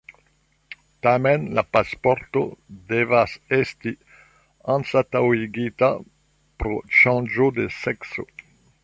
Tamen la pasporto devas esti anstataŭigita pro ŝanĝo de sekso.